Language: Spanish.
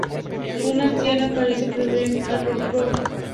Una anciana aparece, "prohibiendo" a Robin Hood.